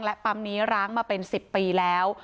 และปั๊มนี้ร้างมาเป็น๑๐ปีแล้ว